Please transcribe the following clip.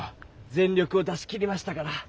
全力を出し切りましたから。